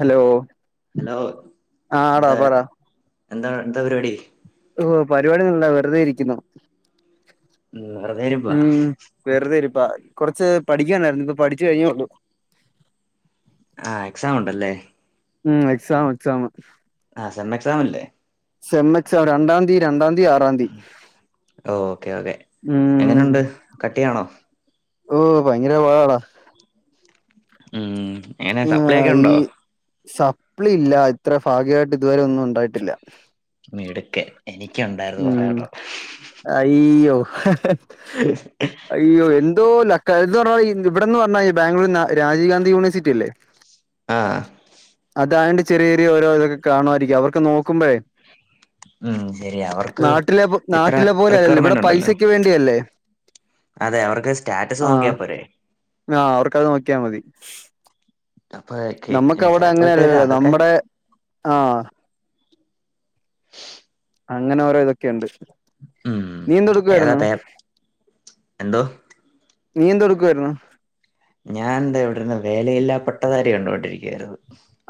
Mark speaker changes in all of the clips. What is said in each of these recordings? Speaker 1: Hello
Speaker 2: hello
Speaker 1: ആട പറ
Speaker 2: എന്താണ് എന്താ പരിപാടി?
Speaker 1: ഓഹ് പരിപാടി ഒന്നുല്ല വെറുതെ ഇരിക്കുന്നു.
Speaker 2: ഉം വെറുതെയിരുപ്പാ
Speaker 1: വെറുതെരി ഇപ്പ കൊറച്ച് പഠിക്കണ്ടായിരുന്നു ഇപ്പ പഠിച്ചു കഴിഞ്ഞേ ഉള്ളു.
Speaker 2: ആ എക്സാം ഉണ്ടല്ലേ
Speaker 1: ഉം എക്സാം എക്സാം
Speaker 2: ആ സെമ്മെ എക്സാം അല്ലേ?
Speaker 1: സെമ്മക്സാം രണ്ടാന്തീം രണ്ടാന്തീം ആറാന്തീം ഉം
Speaker 2: കട്ട് ചെയ്യാണോ
Speaker 1: ഓ ഭയങ്കര പാടാ
Speaker 2: ഉം എങ്ങനെ
Speaker 1: ആ
Speaker 2: സപ്ലൈ ഒക്കെ
Speaker 1: ഈ
Speaker 2: ഉണ്ടോ
Speaker 1: സപ്ലി ഇല്ല ഇത്ര ഭാഗ്യമായിട്ട് ഇതുവരെ ഒന്നും ഉണ്ടായിട്ടില്ല
Speaker 2: മീടുക്കൻ എനിക്കുണ്ടായിരുന്നു കൊറെ
Speaker 1: ഉം
Speaker 2: കേട്ടോ
Speaker 1: അയ്യോ അയ്യോ എന്ത് എന്തോ ലക്ക് ഇത് പറഞ്ഞാൽ ഇവിടെന്ന് പറഞ്ഞാൽ ബാംഗ്ലൂർ രാജീവ് ഗാന്ധി യൂണേഴ്സിറ്റി ഇല്ലേ
Speaker 2: ആഹ്
Speaker 1: അതായണ്ട് ചെറിയ ചെറിയ ഓരോ ഇതൊക്കെ കാണുമായിരിക്കും അവർക്ക് നോക്കുമ്പഴേ
Speaker 2: ഉം ശരി അവർക്ക്
Speaker 1: നാട്ടിലെ
Speaker 2: ഇത്ര
Speaker 1: നാട്ടിലെ പോലെയ ല്ലല്ലോ ഇവിടെ
Speaker 2: റിക്വയർമെന്റ് ഉണ്ടല്ലോ
Speaker 1: പൈസക്ക് വേണ്ടിയല്ലേ
Speaker 2: അതെ അവർക്ക് സ്റ്റാറ്റസ്
Speaker 1: ആഹ്
Speaker 2: നോക്കിയാപ്പോരേ
Speaker 1: ആഹ് അവർക്കത് നോക്കിയാൽ മതി.
Speaker 2: [unintelligible]
Speaker 1: നമ്മക്ക് അവിടെ
Speaker 2: ചെലപ്പോ ഇട്ട് തരും
Speaker 1: അങ്ങനെയല്ലല്ലോ
Speaker 2: അതൊക്കെ
Speaker 1: നമ്മുടെ ആഹ് അങ്ങനെ ഓരോ ഇതൊക്കെയുണ്ട്
Speaker 2: ഉം
Speaker 1: നീ എന്ത്
Speaker 2: ഏതാ
Speaker 1: എടുക്കുവായിരുന്നു
Speaker 2: പേ എന്തോ
Speaker 1: നീ എന്ത് എടുക്കുവായിരുന്നു?
Speaker 2: ഞാൻ എന്താ ഇവിടെരുന്ന് വേലയില്ലാ പട്ടതാരി കണ്ടുകൊണ്ടിരിക്കയായിരുന്നു.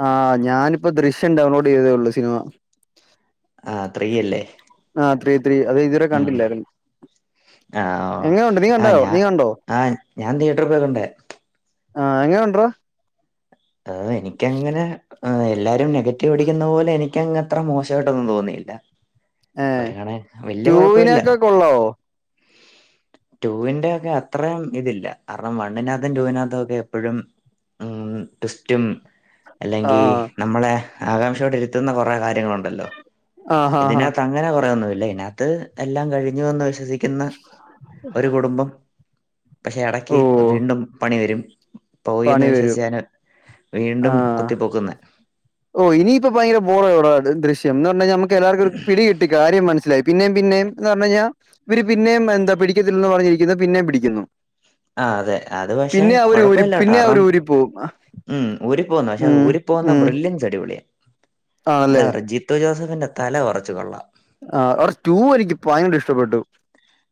Speaker 1: ആഹ് ഞാനിപ്പം ദൃശ്യം ഡൗൺലോഡ് ചെയ്തതേ ഉള്ളൂ സിനിമ
Speaker 2: ആഹ് ത്രീയല്ലേ
Speaker 1: ആഹ് ത്രീ ത്രീ അത് ഇതുവരെ കണ്ടില്ലാരുന്നു.
Speaker 2: ആഹ് ആഹ് ഞാ
Speaker 1: കണ്ടോ
Speaker 2: ആഹ് ഞാൻ തിയേറ്റർ പോയി കണ്ടേ
Speaker 1: ആഹ് എങ്ങനെ ഒണ്ട് റാ
Speaker 2: അഹ് എനിക്കങ്ങനെ ഉം എല്ലാരും നെഗറ്റീവ് അടിക്കുന്ന പോലെ എനി ക്കങ്ങത്ര മോശായിട്ടൊന്നും തോന്നിയില്ല ഒര് കണ വല്യ കൊഴപ്പി ല്ല.
Speaker 1: ടൂവിനൊക്കെ കൊള്ളാവോ
Speaker 2: റ്റുവിന്റെ ഒക്കെ അത്രയും ഇതില്ല കാരണം വണ്ണിനകത്തും റ്റൂ വിനകത്തും ഒക്കെ എപ്പഴും ഉം ട്വിസ്റ്റും അല്ലെങ്കി
Speaker 1: ആഹ്
Speaker 2: നമ്മളെ ആകാംക്ഷയോടെ ഇരുത്തുന്ന കൊറേ കാര്യങ്ങളുണ്ടല്ലോ
Speaker 1: ആഹ് ഹാ ഹാ
Speaker 2: ഇതിനകത്ത് അങ്ങനെ കൊറേയൊന്നുല്ല ഇതിനകത്ത് എല്ലാം കഴിഞ്ഞുവെന്ന് വിശ്വസി ക്കുന്ന ഒരു കുടുംബം പക്ഷെ എടക്ക്
Speaker 1: ഓ
Speaker 2: വീണ്ടും പണി വരും. പോയീന്ന്
Speaker 1: പണി വരും
Speaker 2: വിശ്വസിച്ചേനെ വീണ്ടും കുത്തിപൊക്കുന്നെ
Speaker 1: ഓഹ് ഇനി ഇപ്പോ ഭയര ബോറായി ടാ ദൃശ്യം എന്ന് പറഞ്ഞഴിഞ്ഞാ നമുക്ക് എല്ലാവർക്കും ഒരു പിടി കിട്ടി കാര്യം മനസിലായി. പിന്നെയും പിന്നെയും എന്ന് പറഞ്ഞു കഴിഞ്ഞാ ഇവര് പിന്നെയും എന്താ പിടിക്കത്തില്ലെന്ന് പറഞ്ഞിരിക്കുന്നു പിന്നെയും പിടിക്കുന്നു.
Speaker 2: ആഹ് അതെ അത് പക്ഷെ
Speaker 1: പിന്നെ അവര് ഊരി
Speaker 2: കൊഴപ്പില്ലട്ടോ
Speaker 1: പിന്നെ അവര്
Speaker 2: കാരണം
Speaker 1: ഊരിപ്പോവും
Speaker 2: ഉം ഊരി പോകുന്ന് പക്ഷെ അത്
Speaker 1: ഉം
Speaker 2: ഊരി പോകുന്ന
Speaker 1: ഉം
Speaker 2: ബ്രില്ലൻ സ് അടിപൊളിയ അതാ
Speaker 1: ആണല്ലേ
Speaker 2: പറഞ്ഞ് ജിത്തു ജോസഫിന്റെ തല കൊറച്ച് കൊള്ളാം.
Speaker 1: ആഹ് അവരെ റ്റൂ എനിക്ക് ഭയങ്കര ഇഷ്ടപ്പെട്ടു.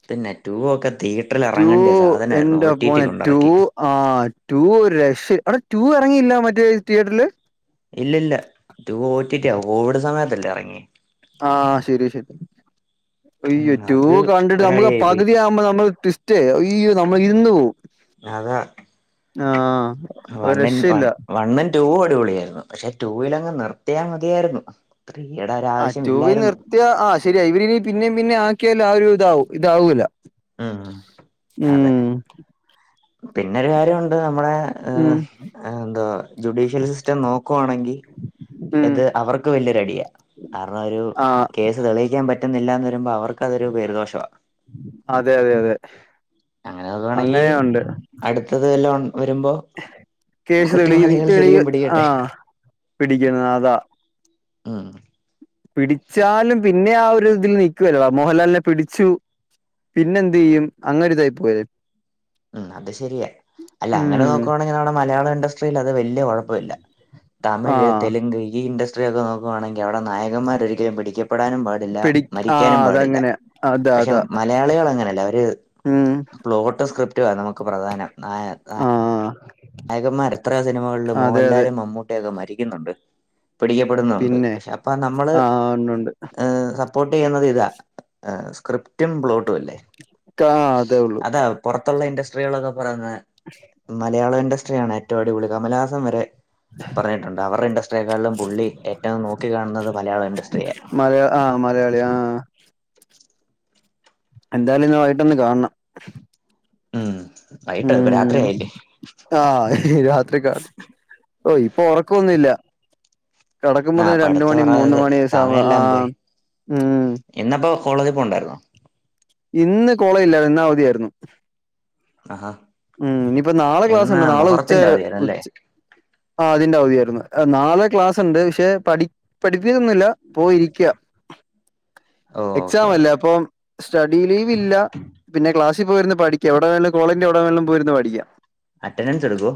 Speaker 2: പിന്നെ റ്റൂ ഒക്കെ തിയറ്ററിൽ
Speaker 1: ടു
Speaker 2: എറങ്ങേണ്ട്യ സാധനാരുന്നു ഓറ്റീറ്റി കൊണ്ടിറക്കി.
Speaker 1: ആഹ് ടു ഒരു രക്ഷേം എടാ ടു ഇറങ്ങിയില്ല മറ്റേ തിയേറ്ററില്
Speaker 2: ഇല്ലല്ല റ്റൂ ഓറ്റീറ്റിയാ കോവിഡ് സമയത്തല്ലേ എറങ്യേ
Speaker 1: ആഹ് ശെരിയാ
Speaker 2: ഉം
Speaker 1: ശെരിയാഅയ്യോ റ്റൂ
Speaker 2: അത്
Speaker 1: കണ്ടിട്ട് നമുക്ക്
Speaker 2: ഒരടിയായി പോയി.
Speaker 1: പകുതിയാവുമ്പോ നമ്മൾ ട്വിസ് റ്റേ അയ്യോ നമ്മളിരുന്ന് പോവും.
Speaker 2: അതാ
Speaker 1: ആഹ്
Speaker 2: വണ്ണി വണ്ണും റ്റൂവും അടിപൊളിയായിരുന്നു പക്ഷെ ടൂവിലങ്ങ് നിർത്തിയാ മതിയായിരുന്നു. ത്രീയടെ രാ
Speaker 1: ആഹ് റ്റൂവിൽ നിർത്തിയ ആഹ് ശരിയ ഇവര് ഇനി പിന്നേം പിന്നേം ആക്കിയാല് ആഹ് ഒരു ഇതാവു ഇതാവൂല
Speaker 2: ഉം ഉം അതെ
Speaker 1: ഉം
Speaker 2: പിന്നൊരു കാര്യമുണ്ട് നമ്മടെ
Speaker 1: ഉം
Speaker 2: ഏഹ് എന്താ ജുഡീഷ്യൽ സിസ്റ്റം നോക്കുവാണെങ്കി
Speaker 1: ഉം
Speaker 2: ഇത് അവർക്ക് വലിയൊരടിയാ കാരണം ഒരു
Speaker 1: ആ
Speaker 2: കേസ് ത് തെളിയിക്കാൻ പറ്റുന്നില്ല എന്ന് വരുമ്പോ അവർക്കതൊരു പേര് ദോഷവാ
Speaker 1: അതെ അതെ അതെ
Speaker 2: അങ്ങനെ നോക്കാണെങ്കി
Speaker 1: അങ്ങനെയുണ്ട്
Speaker 2: അടുത്തത് വല്ലോം വരുമ്പോ
Speaker 1: കേസ് തെളി
Speaker 2: കുറ്റവാളികൾ
Speaker 1: തെളിയ്
Speaker 2: ശരിക്കും പിടിക്കട്ടെ
Speaker 1: ആഹ് പിടിക്കണത് അതാ
Speaker 2: ഉം
Speaker 1: പിടിച്ചാലും പിന്നെ ആ ഒരു ഇതിൽ നിക്കുവല്ലോ മോഹൻലാലിനെ പിടിച്ചു പിന്നെന്തിയ്യും അങ്ങനെ ഒരുതായി പോയേ
Speaker 2: ഉം അത് ശരിയാ അല്ല അങ്ങനെ
Speaker 1: ഉം
Speaker 2: നോക്കുവാണെങ്കി നമ്മടെ മലയാളം ഇൻഡസ്ട്രിയിൽ അത് വല്യ കൊഴപ്പമില്ല.
Speaker 1: ആ
Speaker 2: തമിഴ് തെലുങ്ക് ഈ ഇൻഡസ്ട്രിയൊക്കെ നോക്കുവാണെ ങ്കി അവടെ നായകന്മാർ ഒരിക്കലും പിടിക്കപ്പെടാനും പാടില്ല
Speaker 1: പിടി ആ
Speaker 2: മരിക്കാനും പാടില്ല.
Speaker 1: അതങ്ങനെ അതാ
Speaker 2: പക്ഷെ
Speaker 1: അതാ
Speaker 2: മലയാളികൾ അങ്ങനെയല്ല അവര്
Speaker 1: ഉം
Speaker 2: പ്ലോട്ട് സ്ക്രിപ്റ്റുവ നമുക്ക് പ്രധാനം നായ നാ
Speaker 1: ആ
Speaker 2: നായകന്മാർ എത്ര സിനിമകളിൽ
Speaker 1: അതെ അതെ
Speaker 2: മോഹൻലാലും മമ്മൂട്ടിയൊക്കെ മരിക്കുന്നുണ്ട്. പിടിക്കപ്പെടുന്നുണ്ട്
Speaker 1: പിന്നെ
Speaker 2: പക്ഷെ അപ്പ നമ്മള്
Speaker 1: ആ ഉണ്ട് ഉണ്ട്
Speaker 2: ഏഹ് സ സപ്പോർട്ട് ചെയ്യുന്നത് ഇതാ സ്ക്രിപ്റ്റും പ്ലോട്ടും അല്ലേ
Speaker 1: ക്കാ അതേ ഉള്ളു
Speaker 2: പൊറത്തുള്ള ഇൻഡസ്ട്രികളൊക്കെ പറയുന്നേ മലയാളം ഇൻഡസ്ട്രിയാണ് ഏറ്റവും അടിപൊളി കമലഹാസം വരെ പറഞ്ഞിട്ടുണ്ട് അവരുടെ ഇൻഡസ്ട്രിയെക്കാളിലും പുള്ളി ഏറ്റവും നോക്കി കാണുന്നത് മലയാളം ഇൻഡസ്ട്രിയെ
Speaker 1: ആഹ് മലയാളി ആഹ് എന്തായാലും ഇന്ന് വൈയിട്ട്ന്ന് കാണണം
Speaker 2: ഉം വൈട്ടോ ഇപ്പ
Speaker 1: ഉം
Speaker 2: രാത്രിയായില്ലേ
Speaker 1: ആഹ് രാത്രി കാ ഓഹ് ഇപ്പൊ ഉറക്കൊന്നില്ല
Speaker 2: ആ
Speaker 1: കെടക്കുമ്പോത്തന്നെ രണ്ട്
Speaker 2: പഠിത്തം
Speaker 1: മണി
Speaker 2: പറ
Speaker 1: മൂന്ന് മണിം ഏശാവാ
Speaker 2: സമയെല്ലാം പോയി
Speaker 1: ഉം
Speaker 2: ഇന്നപ്പോ കോളജി പോണ്ടായിര്ന്നോ
Speaker 1: ഇന്ന് കോളേജില്ലാരുന്നു. ഇന്നവധിയായിരുന്നു
Speaker 2: ആഹാ
Speaker 1: ഉം ന്നിപ്പൊ നാളെ
Speaker 2: ഇന്ന്
Speaker 1: ക്ലാസ്ണ്ട് നാളെ
Speaker 2: മുഹറത്തിന്റെ
Speaker 1: ഉച്ചവരെ
Speaker 2: അവധിയായിരുന്നല്ലേ
Speaker 1: ഉച്ച് ആ അതിന്റെ അവധിയായിരുന്നു. എഹ് നാല് ക്ലാസ് ണ്ട് ക്ഷെ പഠി പഠിപ്പിക്കൊന്നുല്ല പോയി ഇരിക്ക,
Speaker 2: ഓ ഓക്കെ
Speaker 1: എക്സാം
Speaker 2: ഓക്കെ
Speaker 1: അല്ലേ അപ്പൊ സ്റ്റഡി ലീവില്ല പിന്നെക്ലാസി പോയിരുന്നു പഠിക്കാം എവിടെ വേണേലും കോളേജിന്റെ എവിടെ വേണേലും പോയിരുന്നു പഠിക്കാം
Speaker 2: അറ്റൻഡൻസ് എടുക്കോ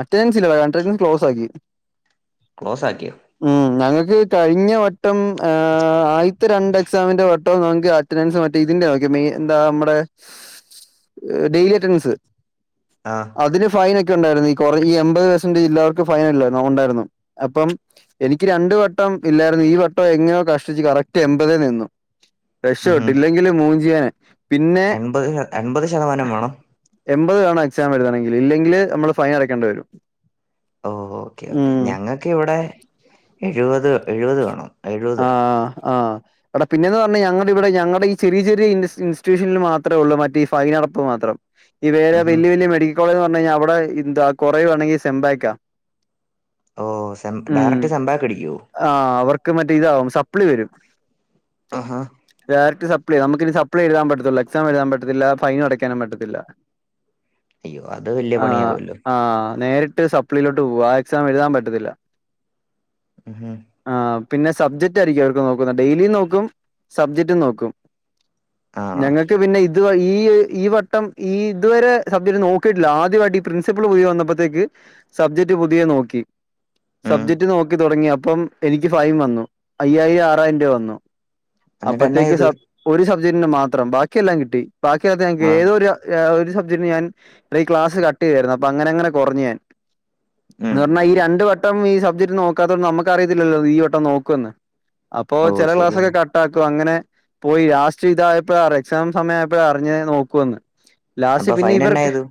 Speaker 1: അറ്റെൻസ് ഇല്ല അറ്റെന്റൻസ് ക്ലോസ്സാക്കി
Speaker 2: ക്ലോസ്സാക്കിയോ
Speaker 1: ഉം ഞങ്ങക്ക് കഴിഞ്ഞ വട്ടം എഹ് ആയിത്തെ രണ്ട് എക്സാമിന്റെ വട്ടം ഞങ് ക്ക് അ അറ്റന്റൻസ് മറ്റേ ഇതിന്റെ നോക്ക്യേ എന്താ മ്മുടെ ഡെയിലി അറ്റൻഡൻസ്
Speaker 2: ആഹ്
Speaker 1: അതിന് ഫൈനൊക്കെ ഉണ്ടായിരുന്നു. ഈ കൊറ ഈ എമ്പത് പെർസെന്റില്ലാർക്ക് ഫൈൻല്ലരുന്നു ഉണ്ടായിരുന്നു അപ്പം എനിക്ക് രണ്ടു വട്ടം ഇല്ലായിരുന്നു ഈ വട്ടം എങ്ങനെയോ കഷ്ടിച്ച് കറക്റ്റ് എൺപതേ നിന്നു
Speaker 2: ഉം
Speaker 1: ക്ഷപ്പെട്ട്,
Speaker 2: ഉം
Speaker 1: ഇല്ലെങ്കിൽ മൂഞ്ചിയേ നെ പിന്നെ
Speaker 2: എൺപത് എൺപത് ശതമാനം വേണം
Speaker 1: എൺപത് വേണം എക്സാം എഴ്തണെങ്കിൽ ഇല്ലെങ്കിൽ നമ്മൾ ഫൈൻ അടക്കണ്ട വരും
Speaker 2: ഓഹ് ഓക്കേ ഓക്കേ
Speaker 1: ഉം.
Speaker 2: ഞങ്ങക്കിവിടെ എഴുപത് എഴുപത് വേണം എഴുപത്
Speaker 1: ആഹ് ആഹ് അവിടെ പിന്നെന്ന് പറഞ്ഞാ ഞങ്ങളിവിടെ ഞങ്ങളീ ചെറിയ ചെറിയ ഇൻറ്റിറ്റ്യൂഷനിൽ മാത്രേള്ളൂ മറ്റേഈ ഫൈനടപ്പ് മാത്രം ഈ വേറെ
Speaker 2: ഉം ഹും
Speaker 1: വലിയ വലിയ മെഡിക്കൽ കോളേജ് എന്ന് പറഞ്ഞ കഴിഞ്ഞാൽ അവിടെ എന്താ കുറവുവാണെങ്കിൽ സെം ബേക്കാ
Speaker 2: ഓഹ് സെം ഡയറക്റ്റ് സെമ്പാക്കടിക്കുവോ
Speaker 1: ആഹ് അവർക്ക് മറ്റേ ഇതാവും സപ്ലി വരും
Speaker 2: ആഹാ
Speaker 1: ഡയറക്ട് സപ്ലി നമുക്കിനി സപ്ലി എഴുതാൻ പറ്റത്തൊള്ളൂ, എക്സാം എഴുതാൻ പറ്റത്തില്ല ഫൈനു അടക്കാനും പറ്റത്തില്ല
Speaker 2: അയ്യോ അത് വലിയ
Speaker 1: ആഹ്
Speaker 2: പണിയാവുമല്ലോ
Speaker 1: ആഹ് നേരിട്ട് സപ് പ്ലിലോട്ട് പോവാ ആ എക്സാം എഴുതാൻ പറ്റത്തില്ല
Speaker 2: ഹും
Speaker 1: ആഹ് പിന്നെ സബ്ജക്റ്റായിരിക്കും അതൊക്കെ ക്ക് നോക്കുന്നെ ഡെയിലിയും നോക്കും സബ്ജക്റ്റും നോക്കും
Speaker 2: ആണോ
Speaker 1: ഞങ്ങക്ക് പിന്നെ ഇ ഇത് വ ഈ ഈ വട്ടം ഈ ഇതുവരെ സബ്ജക്ട് നോക്കിയിട്ടില്ല ആദ്യമായിട്ട് ഈ പ്രിൻസിപ്പൾ പോയി വന്നപ്പത്തേക്ക് സബ്ജക്ട് പുതിയ നോക്കി സബ്ജക്ട് നോക്കി തുടങ്ങി അപ്പം എനിക്ക് ഫൈൻ വന്നു അയ്യായിരം ആറായിരം രൂപ വന്നു
Speaker 2: എന്നിട്ട് എന്നാ
Speaker 1: അപ്പത്തേക്ക്
Speaker 2: ചെയ്ത്
Speaker 1: സബ് ഒരു സബ്ജക്ടിന് മാത്രം ബാക്കിയെല്ലാം കിട്ടി ബാക്കിയ ഞങ്ങക്ക്
Speaker 2: ആഹ്
Speaker 1: ഏതൊരു ഏഹ് ഒരു സബ്ജക്ന് ഞാൻ ക്ലസ് കട്ടയ്യായിരുന്നു അപ്പ അങ്ങനെങ്ങനെ കൊർഞ്ഞു ഞാൻ
Speaker 2: ഉം
Speaker 1: ഇതർഞ്ഞാ ഈ
Speaker 2: ഉം
Speaker 1: രണ്ടു വട്ടം ഈ സബ്ജക്ട് നോക്കാത്തോണ്ട് നമുക്ക് അറിയത്തില്ലല്ലോ ഈ വ ട്ടം നോക്കൊന്ന് അപ്പോ
Speaker 2: ഓ
Speaker 1: ചെലേ
Speaker 2: ശരിയാ
Speaker 1: ക്ലാസ്സൊക്കെ കട് താക്കും അങ്ങനെ പോയി ലാസ്റ്റ് ഇതായപ്പോഴ എക്സാം സമയ ആയപ്പഴ അറിഞ്ഞ് നോക്കുവന്ന് ലാസ്റ്റ്
Speaker 2: അപ്പൊ
Speaker 1: പിന്നെ
Speaker 2: ഫൈൻ എന്നാ
Speaker 1: ഇവർക്കെ
Speaker 2: ചെയ്തു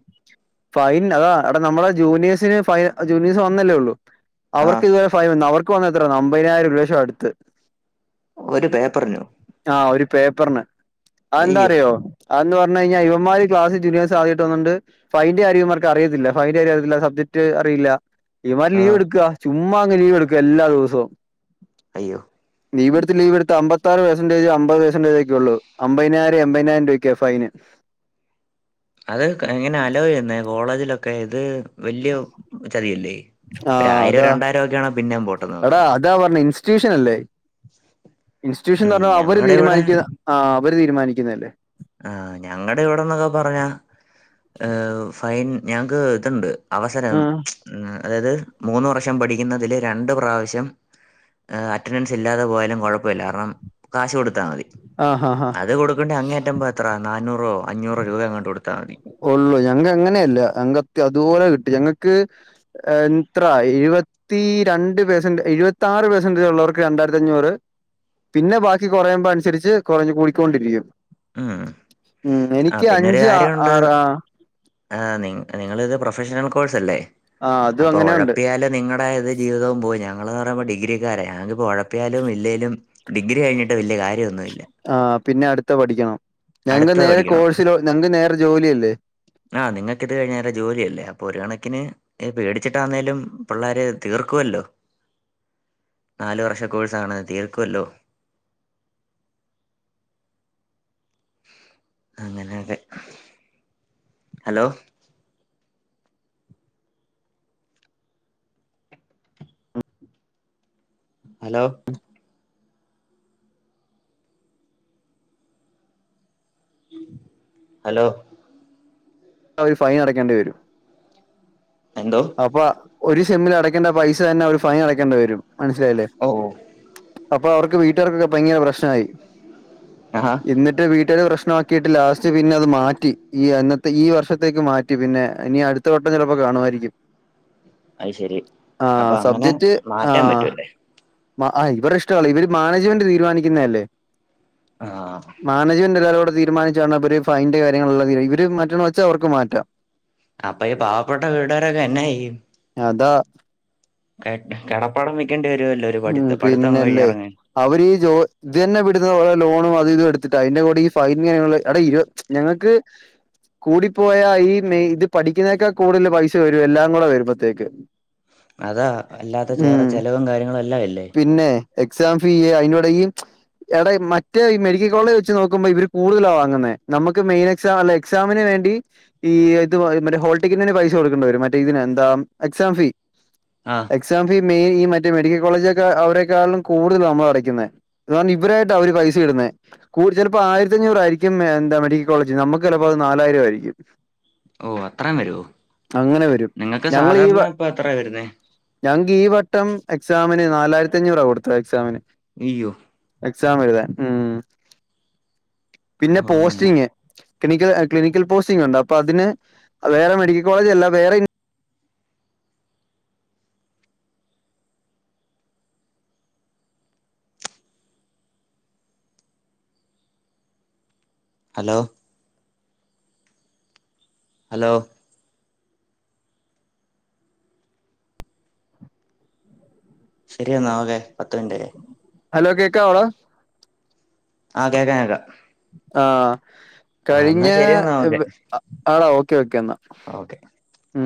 Speaker 1: ഫൈൻ അതാ അടെ നമ്മളെ ജൂനിയേഴ്സിന് ഫൈ ജൂനിയേഴ്സ് വന്നല്ലേ ഒള്ളൂ
Speaker 2: ആഹ്
Speaker 1: അവർക്ക് ഇതുപോലെ ഫൈൻ അവർക്ക് വന്ന എത്ര അമ്പതിനായിരം ഒരുലശം അടുത്ത്
Speaker 2: ഒരു പേപ്പറിനോ
Speaker 1: ആഹ് ഒരു പേപ്പറിന് അതെന്താ
Speaker 2: അയ്യോ
Speaker 1: അറിയോ അതന്ന് പറഞ്ഞ് കഴിഞ്ഞാ ഇവന്മാര് ക്ലാസിൽ ജുനീയെസ് ആദ്യായിട്ടൊന്ന്ണ്ട് ഫൈന്റെ കാര്യ ഇവന്മാർക്ക് അറിയത്തില്ല ഫൈന്റെ കാര്യം അറിത്തില്ല സബ്ജക്റ്റ് അറിയില്ല ഇവന്മാര് ലീവ്
Speaker 2: ആഹ്
Speaker 1: എടുക്ക ചുമ്മാ അങ്ങ് ലീവ് എടുക്കുക എല്ലാ ദിവസവും
Speaker 2: അയ്യോ
Speaker 1: ലീവെടുത്ത് ലീവ്ടുഅമ്പത്താറ് പേർസൻറ്റേജ് അമ്പതൊക്കെ പേഴ്സൻടേജ് ഉള്ളൂ അമ്പതിനായിരം എപതിനായിരം രൂപക്കാണ് ഫൈന്
Speaker 2: അത് എങ്ങനെ അലോചെയ്യൂന്നേ കോളേജിലൊക്കെ ഇത് വല്യ ചതിയല്ലേ
Speaker 1: ആ
Speaker 2: ഒരായിരം രണ്ടായിരം ഒക്കെയാണങ്കില് പിന്നെ പോട്ടന്ന് വെക്കാ
Speaker 1: താ പർഞ്ഞ് ഇൻസ്റ്റിറ്റ്യൂഷൻ അല്ലേ ഇൻസ്റ്റിറ്റ്യൂഷൻ എന്ന്
Speaker 2: ഉം
Speaker 1: പറഞ്ഞാ അവര്
Speaker 2: ഞങ്ങടെ ഇവിടെ
Speaker 1: തീരുമാനിക്കുക ആഹ് അവര് തീരുമാനിക്കുന്നതല്ലേ
Speaker 2: ആഹ് ഞങ്ങടെ ഇവിടെന്നൊക്കെ പറഞ്ഞാ ഫൈൻ ഞങ്ങക്ക് ഇതുണ്ട് അവസരം
Speaker 1: ആ
Speaker 2: അതായത് മൂന്ന് വർഷം പഠിക്കുന്നതില് രണ്ട് പ്രാവശ്യം അറ്റൻഡൻസ് ഇല്ലാതെ പോയാലും കുഴപ്പമില്ല കാരണം കാശ് കൊടുത്താൽ മതി
Speaker 1: ആ ഹാ ഹാ
Speaker 2: അത് കൊടുക്കണ്ടേ അങ്ങേ അറ്റപ എത്ര നനൂറോ അഞ്ഞൂറോ രൂപ അങ്ങോ കൊടുത്താൽ മതി
Speaker 1: ഒള്ളൂ ഞങ്ങ അങ്ങനെയല്ല [unintelligible] അതുപോലെ കിട്ടി ഞങ്ങക്ക് എത്ര എഴ്പ പത്തി രണ്ട് പേർസെന്റ് എഴുപത്തി ആറ് പേർസെന്റേജ് ഉള്ളവർക്ക് രണ്ടായിരത്തി അഞ്ഞൂറ് പിന്നെ ബാക്കി കുറയുമ്പോ അനുസരിച്ച് കുറഞ്ഞ് കൂടിക്കൊണ്ടിരിക്കും
Speaker 2: ഉം
Speaker 1: ഉം
Speaker 2: ആഹ്
Speaker 1: എനിക്ക്
Speaker 2: പിന്നെരു
Speaker 1: അഞ്ച് ആ-
Speaker 2: കാര്യഉണ്ട്
Speaker 1: ആറ് ആ
Speaker 2: ആഹ് നി നിങ്ങളത് പ്രൊഫഷണൽ കോഴ്സ് അല്ലേ
Speaker 1: ആ അതും
Speaker 2: അപ്പൊ
Speaker 1: അങ്ങനെ ഉണ്ട്
Speaker 2: ഒഴപ്പിയാല് നിങ്ങൾ ണ്ടായത് ജീവിതവും പോയി ഞങ്ങള്ന്ന് പറുമ്പോ ഡിഗ്രിക്കാര ഞങ്ങളിപ്പോ ഒഴപ്പിയാലും ഇല്ലേലും ഡിഗ്രി കഴിഞ്ഞിട്ട് വല്ല്യ കാര്യമൊന്നുമില്ല
Speaker 1: ആഹ് പിന്നെ അടുത്ത പഠിക്കണം ഞങ്ങള്ക്ക്
Speaker 2: അടുത്തത്
Speaker 1: നേരെ
Speaker 2: പഠിക്കണം.
Speaker 1: കോഴ്സിലോ ഞങ്ങക്ക് നേരെ ജോലിയല്ലേ
Speaker 2: ആഹ് നിക്ക് ഇത് കഴിഞ്ഞ നേരെ ജോലിയ അല്ലേ അപ്പൊ ഒരു കണക്കിന് പേടിച്ചിട്ടാണേലും പിള്ളേര് തീർക്കുവല്ലോ നാല് വർഷകോഴ്സാണ് തീർക്കുല്ലോ അങ്ങനെയൊക്കെ ഹലോ ഹലോ ഹലോ
Speaker 1: അവർ ഫൈൻ അടക്കേണ്ടി വരും
Speaker 2: എന്തോ
Speaker 1: അപ്പൊ ഒരു സെമ്മിൽ അടക്കേണ്ട പൈസ തന്നെ ഓര് ഫൈൻ അടക്കേണ്ടി വരും മനസ്സിലായില്ലേ
Speaker 2: ഓ ഓ.
Speaker 1: അപ്പൊ അവർക്ക് വീട്ടുകാർക്കൊക്കെ ഭയങ്കര പ്രശ്നായി
Speaker 2: ആഹാ
Speaker 1: ന്നിട്ട് വീട്ടുകാര് പ്രശ്നമാക്കിയിട്ട് ലാസ്റ്റ് പിന്നെ അത് മാറ്റി ഈ അന്നത്തെ ഈ വർഷത്തേക്ക് മാറ്റി പിന്നെ ഇനി അടുത്ത വട്ടം ചെലപ്പോ കാണുമായിരിക്കും
Speaker 2: അത് ശെരി
Speaker 1: ആ
Speaker 2: അപ്പൊ അങ്ങനെ മാറ്റാൻ പറ്റൂല്ലേ
Speaker 1: മ ആഹ് ഇവടെ ഇഷ്ടവല്ല ഇവര് മാനേജ്മെന്റ് തീരുമാനിക്കുന്നല്ലേ
Speaker 2: ആഹ്
Speaker 1: മാനേജമെന്റെല്ലാരോടെ തീരുമാനി [unintelligible] ഒര് ഫൈന്റെ കാര്യങ്ങള് ഇവര് മറ്റ വെച്ച അവർക്ക് മാറ്റാ
Speaker 2: അപ്പൊ ഈ പാവപ്പെട്ട വീട്ടാകരൊക്കെ എങ്ങനെ [unintelligible]
Speaker 1: അതാ
Speaker 2: കെ കടപ്പാടം വിക്കെണ്ടി വരുവല്ലോ ഒരു [unintelligible] പഠിത്തം പഠിത്തം കഴിഞ്ഞിറങ്ങാൻ
Speaker 1: അവരീ ജോ ഇത് തന്നെ വിട്ടത്തെ ലോണും അത് ഇത് എടുത്തിട്ടാണ് അയിന്റെ കൂടെ ഈ ഫൈൻ [unintelligible] ഇരു ഞങ്ങക്ക് കൂടിപ്പോയാൽ ഈ മെ ഇത് പഠിക്കുന്നേക്കാ കൂടുതൽ പൈസ വരും എല്ലാം കൂടെ വരുമ്പോത്തേക്ക്
Speaker 2: അതാ അല്ലാത്ത ചേറെ ചെലവും കാര്യങ്ങളും എല്ലാം ഇല്ലേ
Speaker 1: പിന്നെ എക്സാം ഫീ അയിനോടിം എടെ മറ്റേ മെഡിക്കൽ കോളേജ് വെച്ച് നോക്കുമ്പോ ഇവര് കൂടുതലാ വാങ്ങുന്നെ നമുക്ക് മെയ്ൻ എക്സാം അല്ലെ എക്സാമിന് വേണ്ടി ഈ ഇത് മറ്റേ ഹോൾടിക്കറ്റിന്ന് പൈസ കൊടുക്കേണ്ടി വരും മറ്റേ ഇതിന് എന്താ എക്സാം ഫീ
Speaker 2: ആഹ്
Speaker 1: exam fee May [unintelligible] medical college ക്കെ അവരെക്കാളും കൂടുതൽ നമ്മള് അടക്കുന്നെ അത്കാരണം ഇവരായിട്ട് അവര് പൈസ ഇടുന്നെ കൂ ചെലപ്പോ ആയിരത്തഞ്ഞൂറായിരിക്കും മെ ന്താ മെഡിക്കൽ കോളേജ് നമുക്ക് ചെലപ്പോ അത് നാലായിരം ആയിരിക്കും
Speaker 2: ഓഹ് അത്രെ വരുവോ
Speaker 1: അങ്ങനെ വരും
Speaker 2: നിങ്ങക്ക്
Speaker 1: ഞങ്ങളീ വ
Speaker 2: സാധാരണ പ്പത്ര വരുന്നേ
Speaker 1: ഞങ്ങക്ക് ഈ വട്ടം എക്സാമിന് നാലായിരത്തി അഞ്ഞൂറാ കൊടുത്തെ എക്സാമിന്
Speaker 2: ഇയ്യോ
Speaker 1: എക്സാം എഴുതാൻ ഉം പിന്നെ
Speaker 2: ഓ ഞാൻ
Speaker 1: പോസ്റ്റിങ്ങ് ക്ലിനിക്കൽ ക്ലിനിക്കൽ പോസ്റ്റിങ്ണ്ട് അപ്പ അതിന് വേറെ മെഡിക്കൽ കോളേജ് അല്ല വേറെ
Speaker 2: ഹലോ ഹലോ ശരിയെന്നാ ഓകെ പത്ത് മിനിറ്റായി
Speaker 1: ഹലോ കേക്കാവോടാ
Speaker 2: ആഹ് കേക്കാ കേക്കാ
Speaker 1: ആഹ്
Speaker 2: എന്നാ
Speaker 1: കഴിഞ്ഞവ
Speaker 2: ശരിയെന്നാ ഓക്കെ
Speaker 1: ആ ആളാ ഓക്കെ ഓക്കെ എന്നാ
Speaker 2: ഓക്കെ
Speaker 1: ഉം